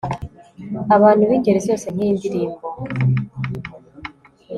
abantu bingeri zose nkiyi ndirimbo